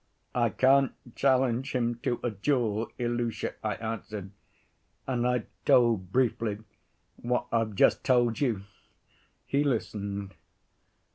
'I can't challenge him to a duel, Ilusha,' I answered. And I told briefly what I've just told you. He listened.